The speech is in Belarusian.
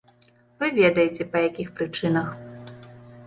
Вы ведаеце па якіх прычынах.